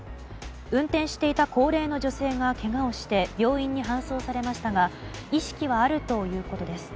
運転していた高齢の女性がけがをして病院に搬送されましたが意識はあるということです。